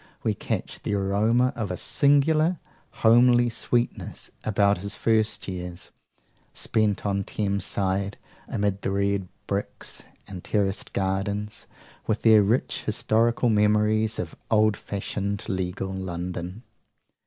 We catch the aroma of a singular, homely sweetness about his first years, spent on Thames' side, amid the red bricks and terraced gardens, with their rich historical memories of old fashioned legal London.